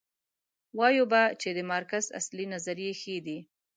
وایو به چې د مارکس اصلي نظریې ښې دي.